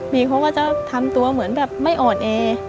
มีเขาก็จะทำตัวเหมือนแบบไม่อ่อนแอ